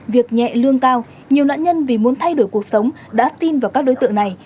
việc nhẹ lương cao nhiều nạn nhân vì muốn thay đổi cuộc sống đã tin vào các đối tượng này